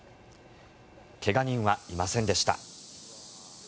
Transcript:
怪我人はいませんでした。